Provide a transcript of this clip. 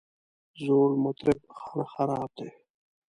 زوړ مطرب خانه خراب دی.